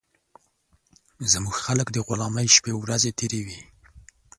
زموږ خلک د غلامۍ شپې ورځي تېروي